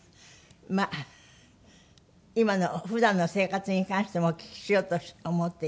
まあ今の普段の生活に関してもお聞きしようと思っています。